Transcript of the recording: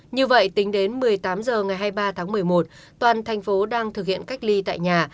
như vậy tính đến một mươi tám h ngày hai mươi ba tháng một mươi một toàn thành phố đang thực hiện cách ly tại nhà